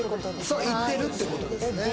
そういってるってことですね